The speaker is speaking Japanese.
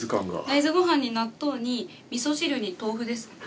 大豆ご飯に納豆にみそ汁に豆腐です。